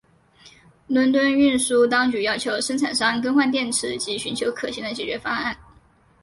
伦敦运输当局要求生产商更换电池及寻求可行的解决方案。